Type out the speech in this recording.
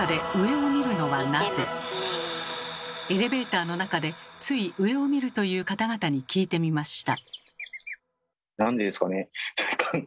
エレベーターの中でつい上を見るという方々に聞いてみました。